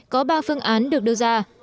có ba phương án được đưa ra